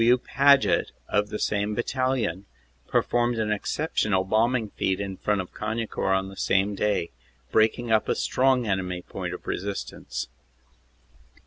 W. Paget, of the same battalion, performed an exceptional bombing feat in front of Cagnicourt on the same day, breaking up a strong enemy point of resistance.